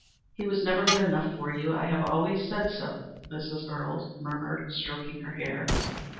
"He was never good enough for you. I have always said so," Mrs. Earle murmured stroking her hair.